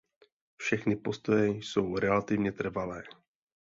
Všechny postoje jsou relativně trvalé.